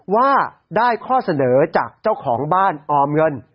ว่าได้ข้อเสนอจากเจ้าของบ้านออมเงิน